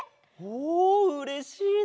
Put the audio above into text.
おうれしいな！